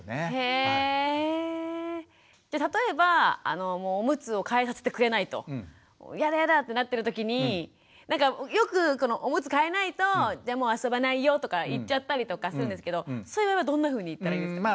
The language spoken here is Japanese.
じゃあ例えばおむつを替えさせてくれないとやだやだってなってる時になんかよくおむつ替えないとじゃもう遊ばないよとか言っちゃったりとかするんですけどそういう場合はどんなふうに言ったらいいんですか？